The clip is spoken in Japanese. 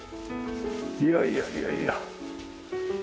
いやいやいやいや。